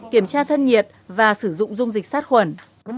kiểm tra thân nhiệt và sử dụng dung dịch sát khuẩn